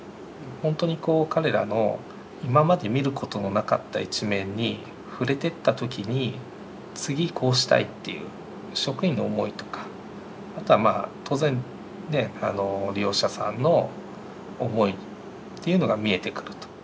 本当にこう彼らの今まで見ることのなかった一面に触れてった時に次こうしたいっていう職員の思いとかあとは当然利用者さんの思いというのが見えてくると。